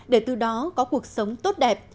để từ đó có cuộc sống tốt đẹp